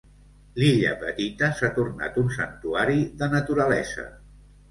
L'illa petita s'ha tornat un santuari de naturalesa.